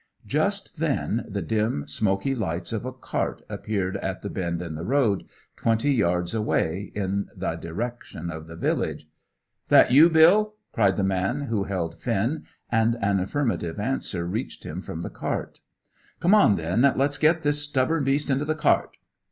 Just then the dim, smoky lights of a cart appeared at the bend in the road, twenty yards away, in the direction of the village. "That you, Bill?" cried the man who held Finn, and an affirmative answer reached him from the cart. "Come on, then, and let's get this stubborn beast into the cart."